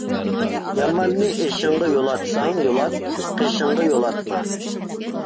ياماننى ئېشىڭغا يولاتساڭ يولات، قېشىڭغا يولاتما.